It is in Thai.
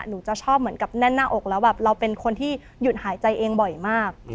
หนูจะชอบเหมือนกับแน่นหน้าอกแล้วแบบเราเป็นคนที่หยุดหายใจเองบ่อยมาก